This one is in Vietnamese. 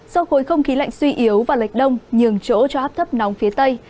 do khối không khí lạnh suy yếu và lệch đông nhường chỗ cho áp thấp nóng phía tây